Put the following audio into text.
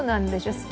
好き。